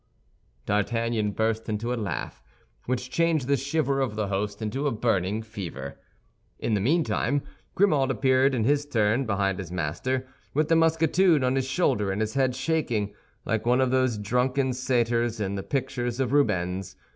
D'Artagnan burst into a laugh which changed the shiver of the host into a burning fever. In the meantime, Grimaud appeared in his turn behind his master, with the musketoon on his shoulder, and his head shaking. Like one of those drunken satyrs in the pictures of Rubens.